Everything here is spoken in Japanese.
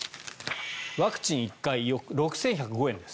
ワクチン１回６１０５円です。